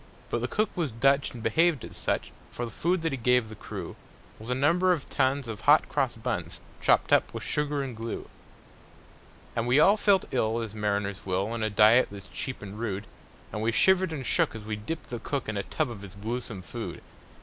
But the cook was Dutch, and behaved as such; For the food that he gave the crew Was a number of tons of hot cross buns, Chopped up with sugar and glue. And we all felt ill as mariners will, On a diet that's cheap and rude; And we shivered and shook as we dipped the cook In a tub of his gluesome food.